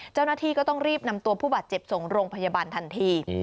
เจ้าหน้าที่ก็ต้องรีบนำตัวผู้บาดเจ็บส่งโรงพยาบาลทันที